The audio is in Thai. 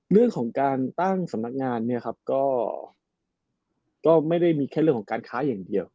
เรื่องของการตั้งสำนักงานเนี่ยครับก็ไม่ได้มีแค่เรื่องของการค้าอย่างเดียว